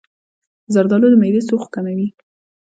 زردآلو د معدې سوخت کموي.